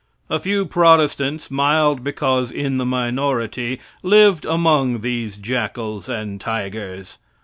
A few Protestants, mild because in the minority, lived among these jackals and tigers.